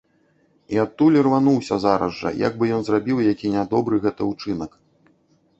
І адтуль ірвануўся зараз жа, як бы ён зрабіў які нядобры гэта ўчынак.